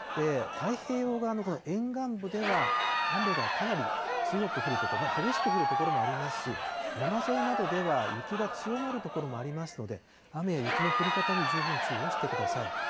太平洋側のこの沿岸部では、雨がかなり強く降る所、激しく降る所もありますし、山沿いなどでは雪が強まる所もありますので、雨や雪の降り方に十分注意をしてください。